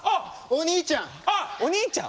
お兄ちゃん！